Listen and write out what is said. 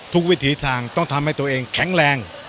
วิถีทางต้องทำให้ตัวเองแข็งแรง